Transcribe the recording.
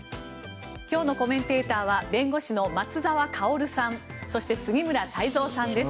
今日のコメンテーターは弁護士の松澤香さんそして、杉村太蔵さんです。